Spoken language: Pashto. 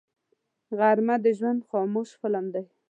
غرمه د ژوند خاموش فلم دی